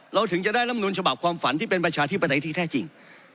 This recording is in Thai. ถึงจะได้ลำนูลฉบับความฝันที่เป็นประชาธิปไตยที่แท้จริง